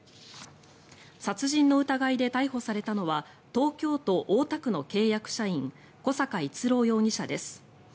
殺人の疑いで逮捕されたのは東京都大田区の契約社員小坂逸朗容疑者です。